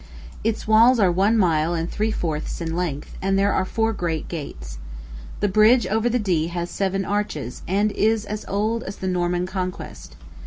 Its walls are one mile and three fourths in length, and there are four great gates. The bridge over the Dee has seven arches, and is as old as the Norman conquest.